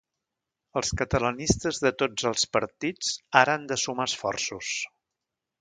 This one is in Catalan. Els catalanistes de tots els partits ara han de sumar esforços.